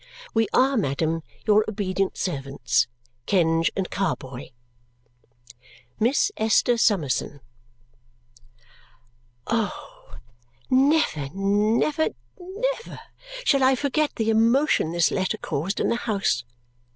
We are, Madam, Your obedt Servts, Kenge and Carboy Miss Esther Summerson Oh, never, never, never shall I forget the emotion this letter caused in the house!